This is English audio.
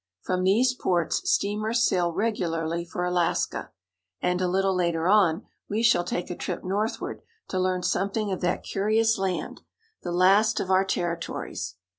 From these ports steamers sail regularly for Alaska; and, a little later on, we shall take a trip northward to learn 284 YELLOWSTONE PARK. something of that curious land, the last of our territories.